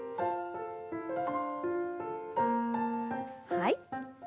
はい。